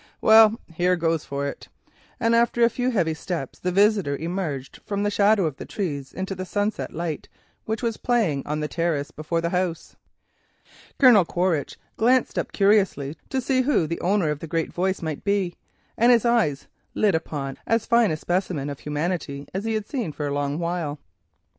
Well, here goes for it," and after a few heavy steps his visitor emerged from the shadow of the trees into the sunset light which was playing on the terrace before the house. Colonel Quaritch glanced up curiously to see who the owner of the great voice might be, and his eyes lit upon as fine a specimen of humanity as he had seen for a long while.